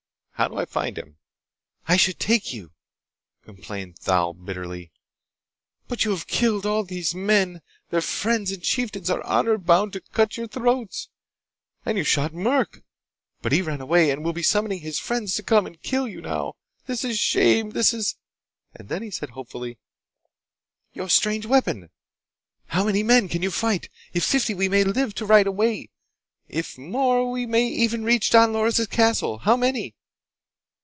How do I find him?" "I should take you!" complained Thal bitterly. "But you have killed all these men. Their friends and chieftains are honor bound to cut your throat! And you shot Merk, but he ran away, and he will be summoning his friends to come and kill you now! This is shame! This is—" Then he said hopefully: "Your strange weapon! How many men can you fight? If fifty, we may live to ride away. If more, we may even reach Don Loris' castle. How many?"